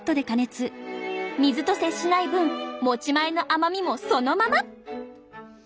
水と接しない分持ち前の甘みもそのまま！